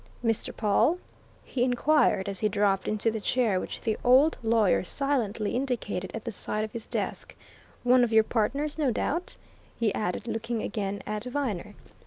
"Mr. Pawle?" he inquired as he dropped into the chair which the old lawyer silently indicated at the side of his desk. "One of your partners, no doubt!" he added, looking again at Viner.